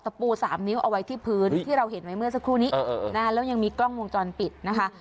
ปูสามนิ้วเอาไว้ที่พื้นที่เราเห็นไว้เมื่อสักครู่นี้แล้วยังมีกล้องวงจรปิดนะคะ